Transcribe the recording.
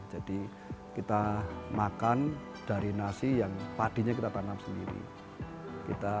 jadi kita makan dari nasi yang padinya kita tanam sendiri